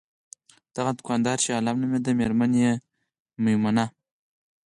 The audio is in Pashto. دغه دوکاندار شیرعالم نومیده، میرمن یې میمونه!